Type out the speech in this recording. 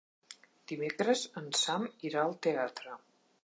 Dimecres en Sam irà al teatre.